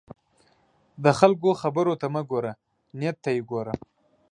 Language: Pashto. د خلکو خبرو ته مه ګوره، نیت ته یې وګوره.